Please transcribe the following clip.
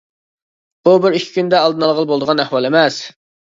بۇ بىر ئىككى كۈندە ئالدىنى ئالغىلى بولىدىغان ئەھۋال ئەمەس.